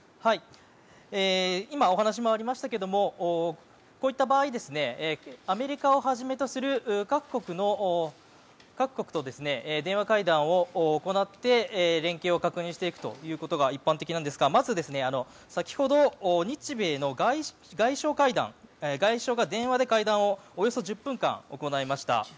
今、お話もありましたがこういった場合アメリカをはじめとする各国と電話会談を行って連携を確認していくということが一般的なんですがまず、先ほど日米の外相会談外相が電話で会談をおよそ１０分間行いました。